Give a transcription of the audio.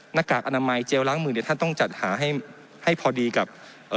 หน้ากากอนามัยเจลล้างมือเนี่ยท่านต้องจัดหาให้ให้พอดีกับเอ่อ